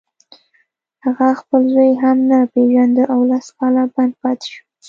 هغه خپل زوی هم نه پېژانده او لس کاله بند پاتې شو